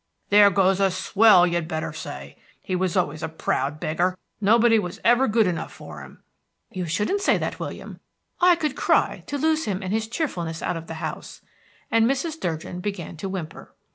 "There goes a swell, you'd better say. He was always a proud beggar; nobody was ever good enough for him." "You shouldn't say that, William. I could cry, to lose him and his cheerfulness out of the house," and Mrs. Durgin began to whimper.